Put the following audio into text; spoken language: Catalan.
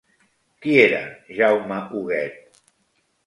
Qui era Jaume Huguet?